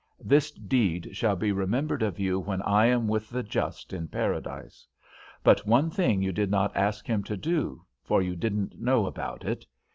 This deed shall be remembered of you when I am with the just in Paradise. But one thing you did not ask him to do, for you didn't know about it.